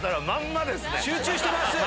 集中してます！